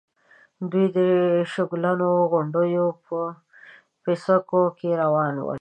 دوی د شګلنو غونډېو په پيڅکو کې روان ول.